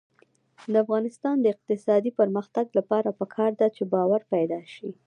د افغانستان د اقتصادي پرمختګ لپاره پکار ده چې باور پیدا شي.